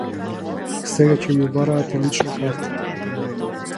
Сега ќе ми бараат и лична карта.